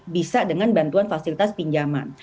bisa dengan bantuan fasilitas pinjaman